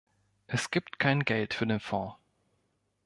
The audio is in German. Es gibt kein Geld für den Fonds.